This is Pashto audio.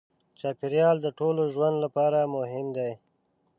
چاپېریال د ټولو ژوند لپاره مهم دی.